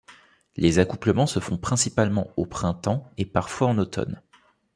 Les accouplements se font principalement au printemps et parfois en automne.